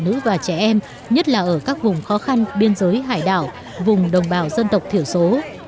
phụ nữ và trẻ em nhất là ở các vùng khó khăn biên giới hải đảo vùng đồng bào dân tộc thiểu số